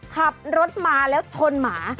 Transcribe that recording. ขับรถมาแล้วชนหมา